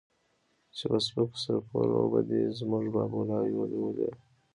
چې پۀ سپکو سپورو به دے زمونږ بابولالې وائي